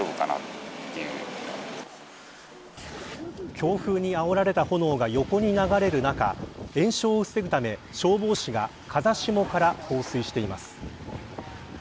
強風にあおられた炎が横に流れる中延焼を防ぐため、消防士が風下から放水しています。